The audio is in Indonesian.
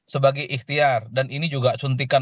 sebagai ikhtiar dan ini juga suntikan